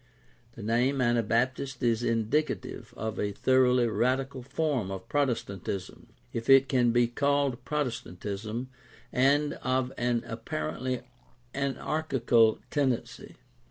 The name Anabaptist is indicative of a thoroughly radical form of Protestantism, if it can be called Protestantism, and of an apparently anarchical tendency.